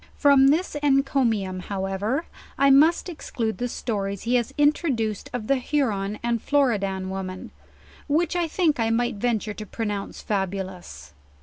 From this enco mium, however, I must exclude the stones he has introduced of the Huron and Florid an women, which I think I might venture to pronounce fabulous.